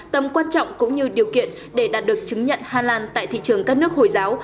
tầm quan trọng cũng như điều kiện để đạt được chứng nhận hà lan tại thị trường các nước hồi giáo